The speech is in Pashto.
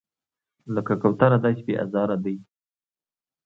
لکه کوتره داسې بې آزاره دی.